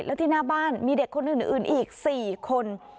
แล้วที่หน้าบ้านมีเด็กคนอื่นอีก๔คน